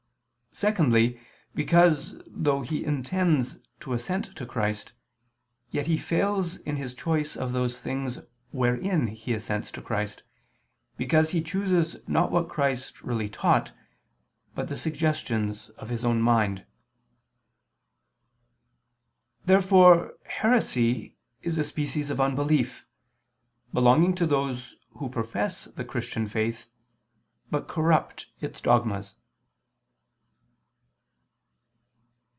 Secondly, because, though he intends to assent to Christ, yet he fails in his choice of those things wherein he assents to Christ, because he chooses not what Christ really taught, but the suggestions of his own mind. Therefore heresy is a species of unbelief, belonging to those who profess the Christian faith, but corrupt its dogmas.